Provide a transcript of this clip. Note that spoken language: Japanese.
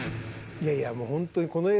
いやいやホントに。